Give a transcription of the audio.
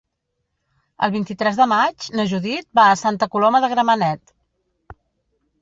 El vint-i-tres de maig na Judit va a Santa Coloma de Gramenet.